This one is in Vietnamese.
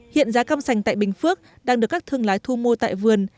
hiện giá cam sành tại bình phước đang được các thương lái thu mua tại vườn